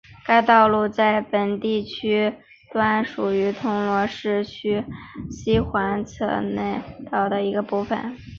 该道路在本地区路段属于铜锣市区西侧外环道的一部分。